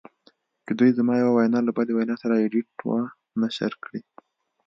چې دوی زما یوه وینا له بلې وینا سره ایډیټ و نشر کړې